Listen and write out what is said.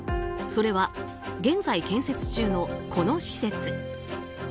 それは現在建設中のこの施設。